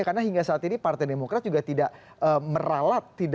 karena hingga saat ini partai demokrat juga tidak meralat